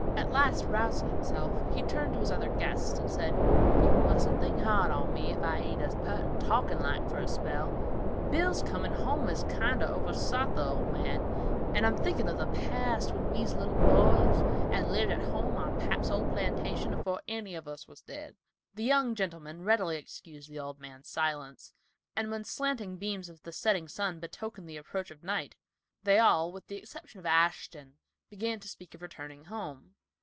At last rousing himself he turned to his other guests, and said, "You mustn't think hard on me, if I ain't as peart and talkin' like for a spell; Bill's comin' home has kinder oversot the old man, and I'm thinkin' of the past when we's little boys and lived at home on pap's old plantation afore any of us was dead." The young gentlemen readily excused the old man's silence, and when the slanting beams of the setting sun betokened the approach of night, they all, with the exception of Ashton, began to speak of returning home.